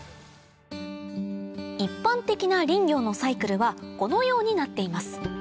一般的な林業のサイクルはこのようになっています